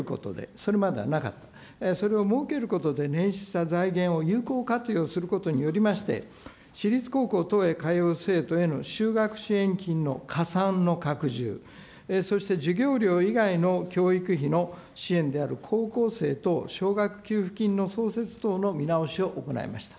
それまではなかった、それを設けることでねん出した財源を有効活用することによりまして、私立高校等へ通う生徒への就学支援金の加算の拡充、そして授業料以外の教育費の支援である高校生等少額給付金の創設等の見直しを行いました。